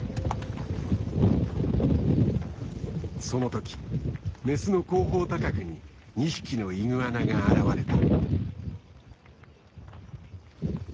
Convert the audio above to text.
その時メスの後方高くに２匹のイグアナが現れた。